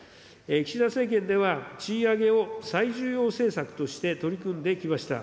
岸田政権では、賃上げを最重要政策として取り組んできました。